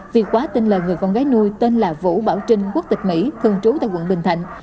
việc quá tin lời người con gái nuôi tên là vũ bảo trinh quốc tịch mỹ thường trú tại quận bình thạnh